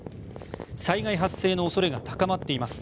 災害発生の恐れが高まっています。